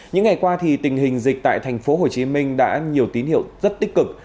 những ngày qua thì tình hình dịch tại thành phố hồ chí minh đã nhiều tín hiệu rất tích cực